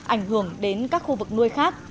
ảnh hưởng đến các khu vực nuôi khác